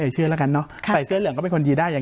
เชื่อแล้วกันเนอะใส่เสื้อเหลืองก็เป็นคนดีได้อย่าง